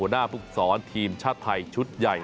หัวหน้าภูกษอนทีมชาติไทยชุดใหญ่